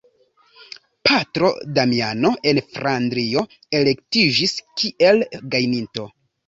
Patro Damiano en Flandrio elektiĝis kiel gajninto.